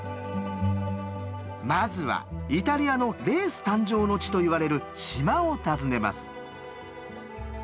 まずはイタリアのレース誕生の地といわれる島を訪ねます。